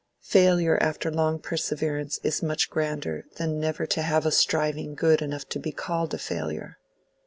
Failure after long perseverance is much grander than never to have a striving good enough to be called a failure."